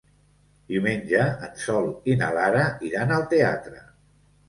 Diumenge en Sol i na Lara iran al teatre.